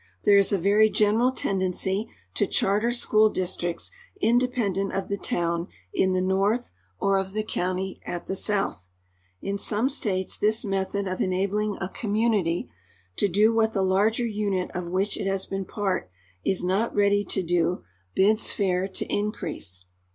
There is a very general tendency to charter school districts independent of the town in the north or of the county at the south. In some states this method of enabling a community to do what the larger unit of which it has been part is not ready to do bids fair to increase.